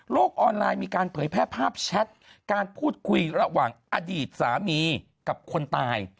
ออนไลน์มีการเผยแพร่ภาพแชทการพูดคุยระหว่างอดีตสามีกับคนตาย